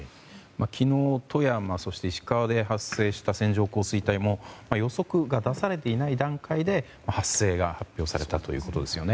昨日富山、石川で発生した線状降水帯も予測が出されていない段階で発生が発表されたということですね。